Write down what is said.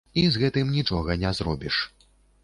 І з гэтым нічога не зробіш.